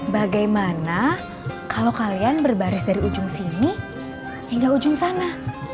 bagaimana kalau kalian berbaris dari ujung sini hingga ujung sana